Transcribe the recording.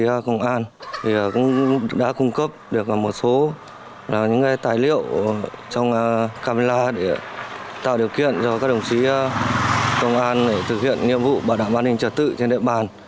công an cũng đã cung cấp được một số tài liệu trong camera để tạo điều kiện cho các đồng chí công an để thực hiện nhiệm vụ bảo đảm an ninh trật tự trên địa bàn